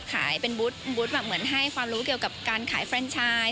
ขายเป็นบูธเหมือนให้ความรู้เกี่ยวกับการขายเฟรนชไชส์